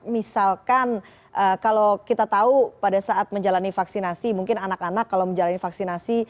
misalkan kalau kita tahu pada saat menjalani vaksinasi mungkin anak anak kalau menjalani vaksinasi